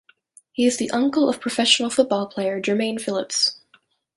He is the uncle of professional football player Jermaine Phillips.